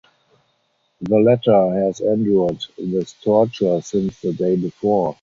The latter has endured this torture since the day before.